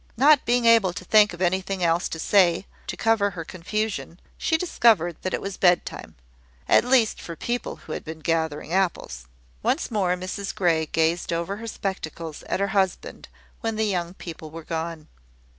Not being able to think of anything else to say, to cover her confusion, she discovered that it was bedtime, at least for people who had been gathering apples. Once more Mrs Grey gazed over her spectacles at her husband, when the young people were gone.